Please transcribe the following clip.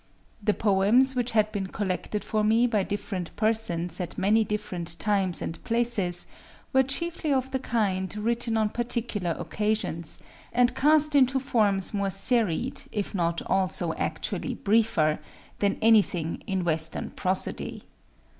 The poems, which had been collected for me by different persons at many different times and places, were chiefly of the kind written on particular occasions, and cast into forms more serried, if not also actually briefer, than anything in Western prosody.